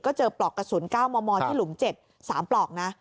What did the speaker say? ก็เจอปลอกกระสุน๙มมที่หลุม๗๓ปลอกนะ